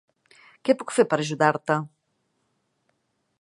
Què puc fer per ajudar-te?